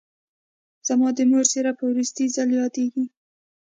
زما د مور څېره په وروستي ځل یادېږي